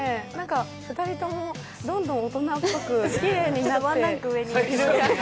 ２人ともどんどん大人っぽくきれいになって。